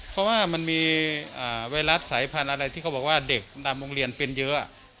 เพราะว่ามีไวรัสสายพันธุ์ที่เขาบอกว่าเด็กทำก้องเรียนมีเยอะ